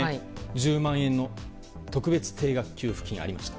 １０万円の特別定額給付金がありました。